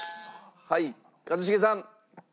はい一茂さん。